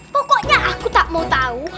pokoknya aku tak mau tahu